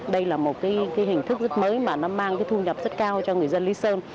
đây là một cái hình thức rất mới mà nó mang cái thu nhập rất cao cho người dân lý sơn